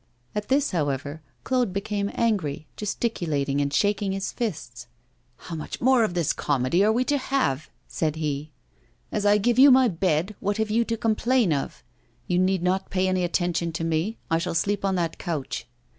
At this, however, Claude became angry, gesticulating and shaking his fists. 'How much more of this comedy are we to have?' said he. 'As I give you my bed, what have you to complain of? You need not pay any attention to me. I shall sleep on that couch.